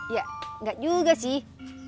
ya gak juga sih